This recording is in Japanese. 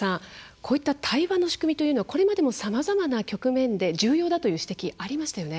こういった対話の仕組みというのはこれまでもさまざまな局面で重要だという指摘ありましたよね。